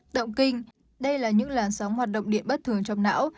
động kinh đây là những làn sóng hoạt động điện bất thường trong não